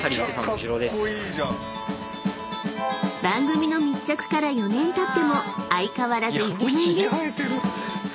［番組の密着から４年たっても相変わらずイケメンです］